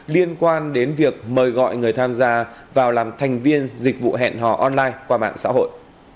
liên quan đến việc mời gọi người tham gia vào làm thành viên dịch vụ hẹn hò online qua mạng xã hội